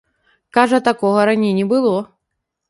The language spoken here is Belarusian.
Кажа, такога раней не было.